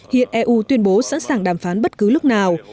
hiện eu tuyên bố sẵn sàng đàm phán bất cứ lúc nào